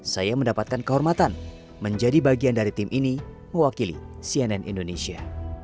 saya mendapatkan kehormatan menjadi bagian dari tim ini mewakili cnn indonesia